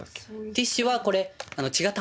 ティッシュはこれ。